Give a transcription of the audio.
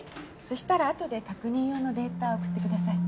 そしたら後で確認用のデータを送ってください。